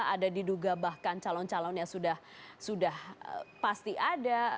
ada diduga bahkan calon calonnya sudah pasti ada